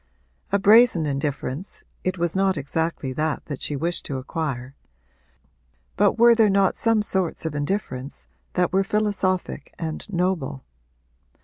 A brazen indifference it was not exactly that that she wished to acquire; but were there not some sorts of indifference that were philosophic and noble?